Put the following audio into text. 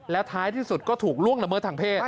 แล้วท้ายที่สุดก็ถูกล่วงละเมิดทางเพศ